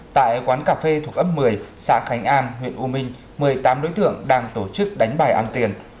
tại quán cà phê thuộc ấp một mươi xã khánh an huyện u minh một mươi tám đối tượng đang tổ chức đánh bài ăn tiền